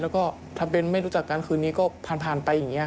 แล้วก็ถ้าเป็นไม่รู้จักกันคืนนี้ก็ผ่านไปอย่างนี้